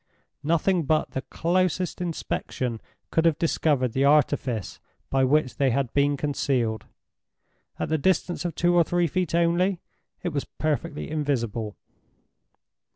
Nothing but the closest inspection could have discovered the artifice by which they had been concealed; at the distance of two or three feet only, it was perfectly invisible.